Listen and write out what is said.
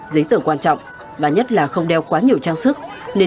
giấy tưởng quan trọng và nhất là không đeo quá nhiều trang sức